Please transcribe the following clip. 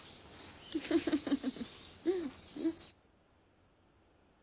フフフフ。